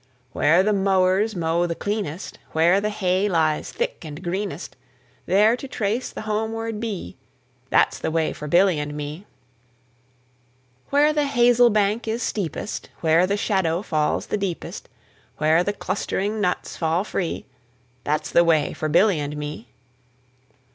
Where the mowers mow the cleanest, Where the hay lies thick and greenest, There to trace the homeward bee, That's the way for Billy and me. Where the hazel bank is steepest, Where the shadow falls the deepest, Where the clustering nuts fall free. That's the way for Billy and me.